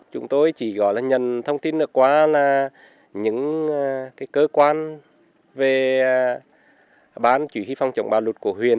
chúng tôi chỉ gọi là nhận thông tin được qua là những cái cơ quan về bán chủ yếu phòng trọng bà lụt của huyền